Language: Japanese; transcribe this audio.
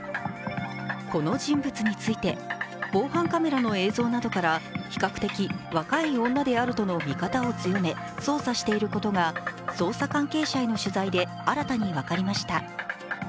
この人物について、防犯カメラの映像などから比較的若い女であるとの見方を強め操作していることが捜査関係者への取材で新たに分かりました。